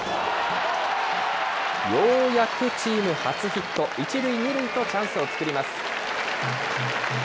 ようやくチーム初ヒット、１塁２塁とチャンスを作ります。